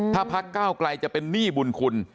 ถ้าพักก้าวไกลจะเป็นหนี้บุญคุณ